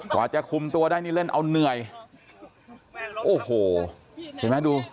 กลัวจะคุมตัวได้เอาเหนื่อยโอโหเห็นมั้ยดู